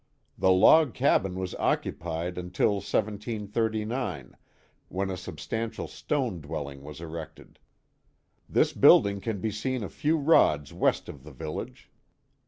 The log cabin was occupied until 1739, when a substantial stone dwelling was erected. This building can be seen a few rods west of the village.